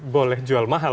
boleh jual mahal